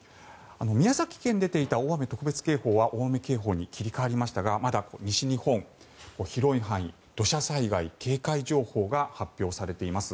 宮崎県に出ていた大雨特別警報は大雨警報に切り替わりましたがまだ西日本の広い範囲に土砂災害警戒情報が発表されています。